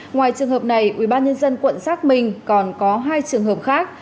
ngoài trường hợp này ubnd quận xác minh còn có hai trường hợp khác